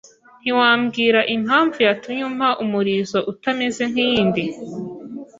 ntiwambwira impamvu yatumye umpa umulizo utameze nk'iyindi